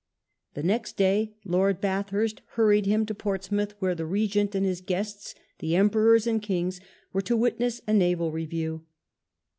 The next day Lord Bathurst hurried him to Portsmouth, where the Eegent and his guests, the Emperors and Kings, were to witness a naval review.